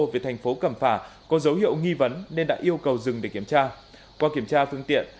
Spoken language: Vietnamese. về thành phố cẩm phả có dấu hiệu nghi vấn nên đã yêu cầu dừng để kiểm tra qua kiểm tra phương tiện